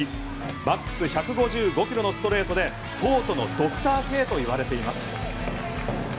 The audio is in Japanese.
マックス１５５ｋｍのストレートで東都のドクターＫと言われています。